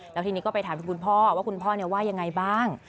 แล้วทีนี้ก็ไปถามถึงคุณพ่อว่าคุณพ่อว่ายังไงบ้าง